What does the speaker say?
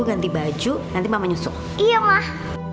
ganti baju nanti mama nyusuk iya mah